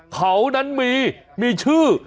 เขานั้นมีมีชื่อ